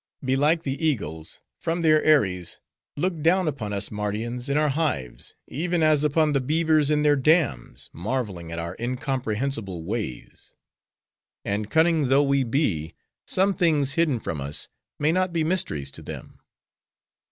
Belike, the eagles, from their eyries look down upon us Mardians, in our hives, even as upon the beavers in their dams, marveling at our incomprehensible ways. And cunning though we be, some things, hidden from us, may not be mysteries to them.